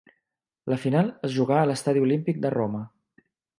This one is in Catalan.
La final es jugà a l'Estadi Olímpic de Roma.